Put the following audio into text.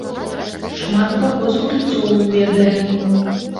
Шмат каго з гульцоў ведае.